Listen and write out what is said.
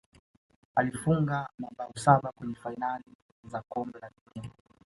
alifunga mabao saba kwenye fainali za kombe la dunia